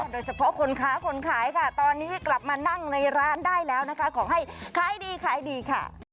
โดยเฉพาะคนค้าคนขายค่ะตอนนี้กลับมานั่งในร้านได้แล้วนะคะขอให้ขายดีขายดีค่ะ